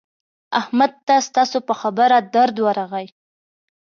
احمد ته ستاسو په خبره درد ورغی.